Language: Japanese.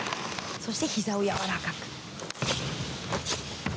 そして、ひざをやわらかく。